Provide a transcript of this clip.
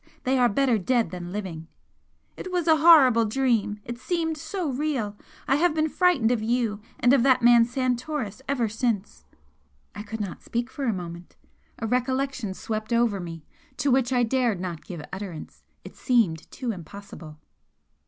They are better dead than living!' It was a horrible dream! it seemed so real! I have been frightened of you and of that man Santoris ever since!" I could not speak for a moment. A recollection swept over me to which I dared not give utterance, it seemed too improbable.